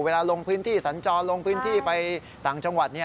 ลงพื้นที่สัญจรลงพื้นที่ไปต่างจังหวัด